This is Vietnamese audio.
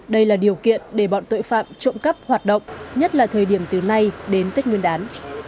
đây là điều kiện để bọn tội phạm trộm cắp hoạt động nhất là thời điểm từ nay đến tết nguyên đán